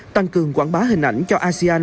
tăng cường quảng bá hình ảnh cho asean